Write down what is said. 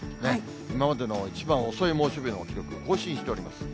今までの一番遅い猛暑日の記録、更新しております。